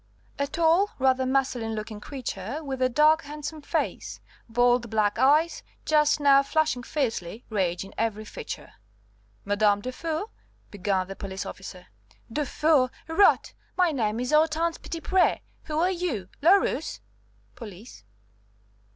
A tall, rather masculine looking creature, with a dark, handsome face, bold black eyes just now flashing fiercely, rage in every feature. "Madame Dufour?" began the police officer. "Dufour! Rot! My name is Hortense Petitpré; who are you? La Rousse?" (Police.)